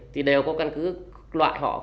thì đều có căn cứ loại họ